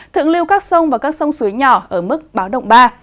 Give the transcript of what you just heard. thượng lưu các sông và các sông suối nhỏ ở mức báo động ba